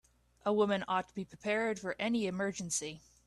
A woman ought to be prepared for any emergency.